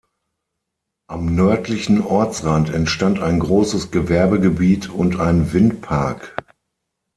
Am nördlichen Ortsrand entstand ein großes Gewerbegebiet und ein Windpark.